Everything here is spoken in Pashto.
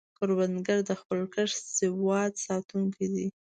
کروندګر د خپل کښت د سواد ساتونکی دی